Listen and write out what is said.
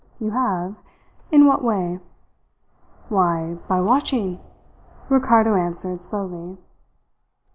"You have? In what way?" "Why, by watching," Ricardo answered slowly.